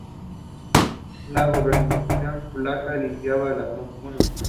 La gobernación de Kaluga limitaba con las de Moscú, Tula, Oriol y Smolensk.